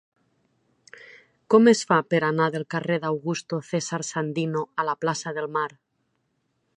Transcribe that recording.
Com es fa per anar del carrer d'Augusto César Sandino a la plaça del Mar?